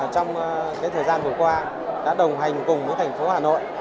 trong thời gian vừa qua đã đồng hành cùng với thành phố hà nội